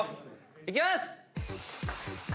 いきます。